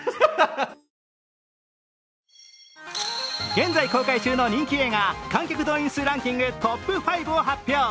現在公開中の人気映画観客動員数ランキングトップ５を発表。